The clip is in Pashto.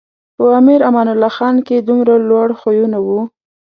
په امیر امان الله خان کې دومره لوړ خویونه و.